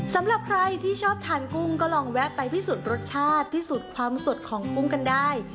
สำหรับใครที่ชอบทานกุ้งก็ลองแวะไปพิสูจน์รสชาติพิสูจน์ความสดของกุ้งกันได้